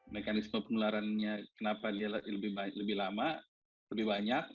mekanisme penularannya kenapa dia lebih lama lebih banyak